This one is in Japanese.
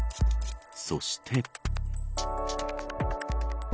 そして。